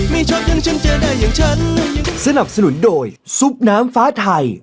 ไม่ชอบอย่างฉันเจอได้อย่างฉันสนับสนุนโดยซุปน้ำฟ้าไทย